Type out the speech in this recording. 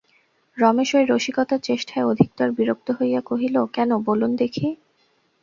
রমেশ এই রসিকতার চেষ্টায় অধিকতর বিরক্ত হইয়া কহিল, কেন বলুন দেখি।